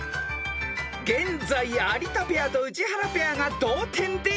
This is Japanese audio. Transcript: ［現在有田ペアと宇治原ペアが同点で１位］